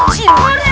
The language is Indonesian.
ini kita lihat